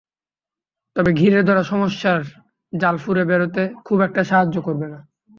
তবে ঘিরে ধরা সমস্যার জাল ফুঁড়ে বেরোতে খুব একটা সাহায্য করবে না।